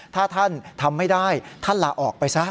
ถ้าท่านทำไม่ได้ท่านลาออกไปซะ